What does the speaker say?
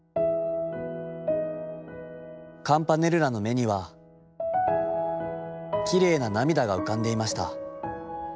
カムパネルラの眼にはきれいな涙が浮かんでゐました。